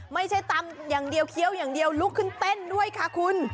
ไม่ใช่ตำอย่างเดียวเคี้ยวอย่างเดียวลุกขึ้นเต้นด้วยค่ะคุณ